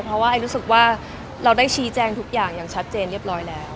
เพราะว่าไอรู้สึกว่าเราได้ชี้แจงทุกอย่างอย่างชัดเจนเรียบร้อยแล้ว